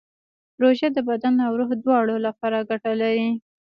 روژه د بدن او روح دواړو لپاره ګټه لري.